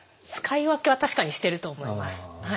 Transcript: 使い分けは確かにしていると思います。